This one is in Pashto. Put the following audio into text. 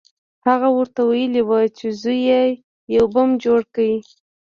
هغه ورته ویلي وو چې زوی یې یو بم جوړ کړی